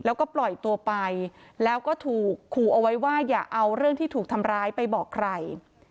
แล้วก็ปล่อยตัวไปแล้วก็ถูกขู่เอาไว้ว่าอย่าเอาเรื่องที่ถูกทำร้ายไปบอกใคร